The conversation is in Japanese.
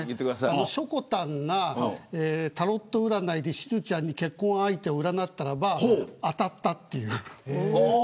しょこたんがタロット占いでしずちゃんの結婚相手を占ったならば当たったという。